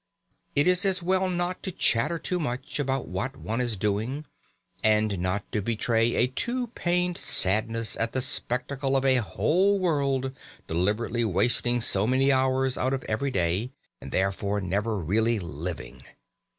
It is as well not to chatter too much about what one is doing, and not to betray a too pained sadness at the spectacle of a whole world deliberately wasting so many hours out of every day, and therefore never really living.